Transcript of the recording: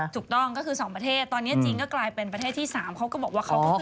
ถูกต้องก็คือ๒ประเทศตอนนี้จีนก็กลายเป็นประเทศที่๓เขาก็บอกว่าเขาก็คือ